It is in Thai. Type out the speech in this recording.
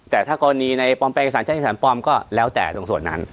แต่ถ้าในนี้ค่อนข้างในการชั่งเอกสารปลอมก็ลัวแต่ส่วนนั้น